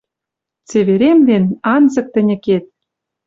Цеверемден, анзык тӹньӹ кет.